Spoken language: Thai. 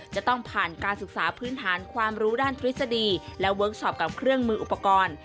จะต้องผ่านการศึกษาพื้นฐานความรู้ด้านทฤษฎีและเวิร์คชอปกับเครื่องมืออุปกรณ์